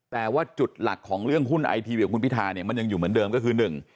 แต่ว่าจุดหลักของเรื่องหุ้นไอทีวีกับคุณพิธาเนี่ยมันยังอยู่เหมือนเดิมก็คือหนึ่ง